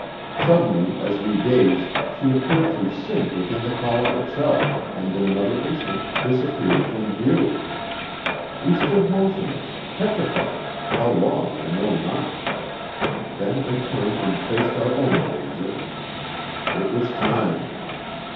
Suddenly as we gazed she appeared to sink within the column itself and in another instant disappeared from view. We stood motionless, petrified; how long I know not. Then I turned and faced our own danger. It was time.